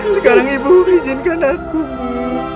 sekarang ibu mengizinkan aku ibu